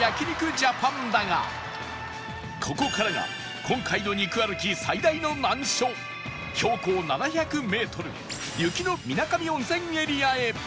ジャパンだがここからが今回の肉歩き最大の難所標高７００メートル雪の水上温泉エリアへ